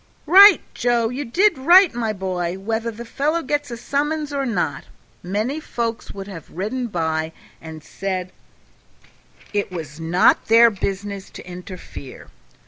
"Right, Joe! you did right, my boy, whether the fellow gets a summons or not. Many folks would have ridden by and said it was not their business to interfere.